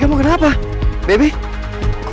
dia nyuruh sobie barengyo